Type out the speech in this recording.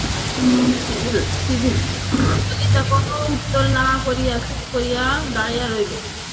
ললিতা কোনো উত্তর না করিয়া চুপ করিয়া দাঁড়াইয়া রহিল।